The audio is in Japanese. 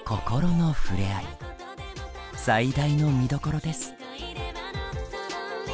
最大の見どころです。